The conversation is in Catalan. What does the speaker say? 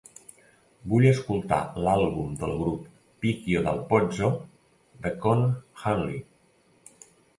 Vull escoltar l'àlbum del grup Picchio Dal Pozzo de Con Hunley